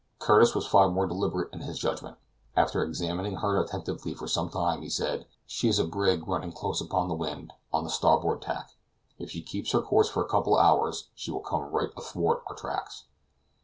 Curtis was far more deliberate in his judgment. After examining her attentively for some time, he said, "She is a brig running close upon the wind, on the starboard tack. If she keeps her course for a couple of hours, she will come right athwart our tracks."